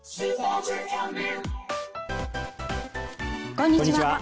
こんにちは。